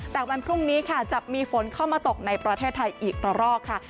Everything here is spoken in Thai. แต่วันพรุ่งนี้ค่ะจะมีฝนเข้ามาตกในประเทศไทยอีกต่อรอกค่ะ